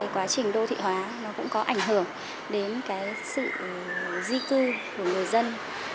quá trình đô thị hóa nó cũng có ảnh hưởng đến sự di cư của người dân